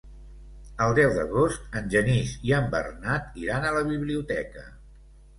El deu d'agost en Genís i en Bernat iran a la biblioteca.